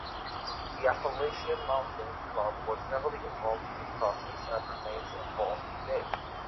The Appalachian Mountain Club was heavily involved in the process and remains involved today.